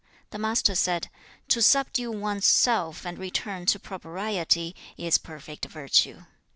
The Master said, 'To subdue one's self and return to propriety, is perfect virtue.